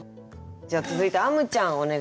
じゃあ続いてあむちゃんお願いします。